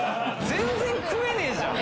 全然食えないじゃん。